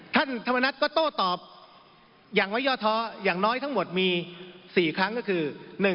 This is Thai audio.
ท่านธรรมนัฐก็โต้ตอบอย่างไว้ย่อท้ออย่างน้อยทั้งหมดมี๔ครั้งก็คือ